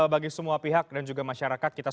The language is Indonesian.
bagi semua pihak dan juga masyarakat kita